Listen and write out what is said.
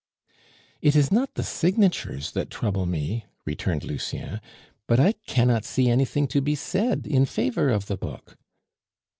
"It is not the signatures that trouble me," returned Lucien, "but I cannot see anything to be said in favor of the book."